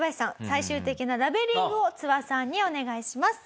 最終的なラベリングをツワさんにお願いします。